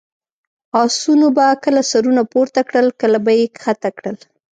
اسونو به کله سرونه پورته کړل، کله به یې کښته کړل.